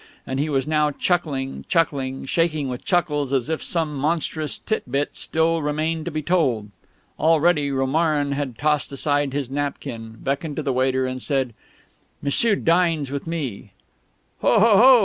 And he was now chuckling, chuckling, shaking with chuckles, as if some monstrous tit bit still remained to be told. Already Romarin had tossed aside his napkin, beckoned to the waiter, and said, "M'sieu dines with me...." "Ho ho ho ho!"